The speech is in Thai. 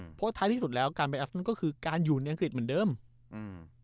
เพราะท้ายที่สุดแล้วการไปอัฟนั้นก็คือการอยู่ในอังกฤษเหมือนเดิมอืม